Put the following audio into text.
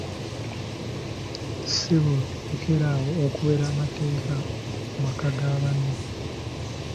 Ssebo lekera awo okuweera amateeka mu maka ga banno.